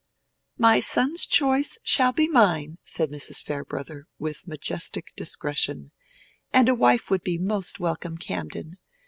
"My son's choice shall be mine," said Mrs. Farebrother, with majestic discretion, "and a wife would be most welcome, Camden.